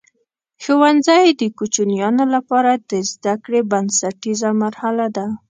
ښوونځی د کوچنیانو لپاره د زده کړې بنسټیزه مرحله ده.